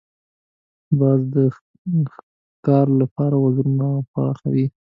باز د ښکار لپاره وزرونه پراخوي